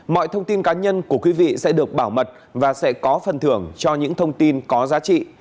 mọi thông tin cá nhân của quý vị sẽ được bảo mật và sẽ có phần thưởng cho những thông tin có giá trị